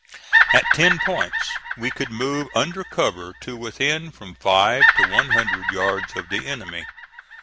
At ten points we could move under cover to within from five to one hundred yards of the enemy.